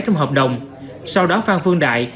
trong hợp đồng sau đó phan phương đại